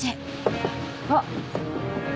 あっ。